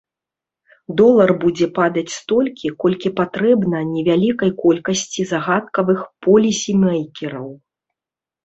Долар будзе падаць столькі, колькі патрэбна невялікай колькасці загадкавых полісімэйкераў.